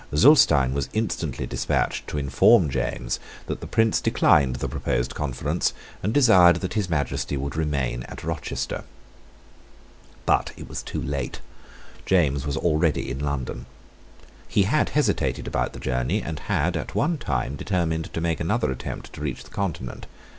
Zulestein was instantly despatched to inform James that the Prince declined the proposed conference, and desired that His Majesty would remain at Rochester. But it was too late. James was already in London. He had hesitated about the journey, and had, at one time, determined to make another attempt to reach the Continent.